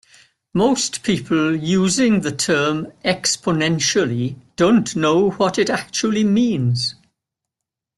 Most people using the term "exponentially" don't know what it actually means.